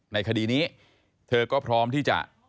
ในคดีนี้เธอก็พร้อมที่จะ